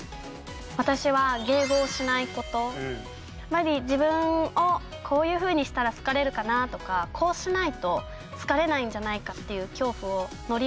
私は自分をこういうふうにしたら好かれるかなとかこうしないと好かれないんじゃないかっていう恐怖を乗り越えて。